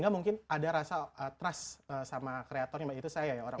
mungkin ada rasa trust sama kreatornya mbak itu saya ya orang orang